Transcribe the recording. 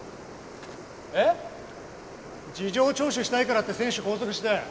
えっ？事情聴取したいからって選手拘束して。